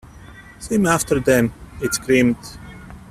‘Swim after them!’ it screamed.